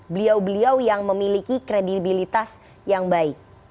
beliau beliau yang memiliki kredibilitas yang baik